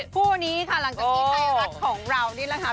คู่นี้ค่ะหลังจากที่ไทยรัฐของเรานี่แหละค่ะ